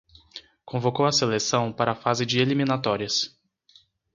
Convocou a seleção para a fase de eliminatórias